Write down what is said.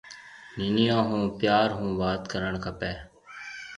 ننَيون هون پيار هون وات ڪرڻ کپيَ۔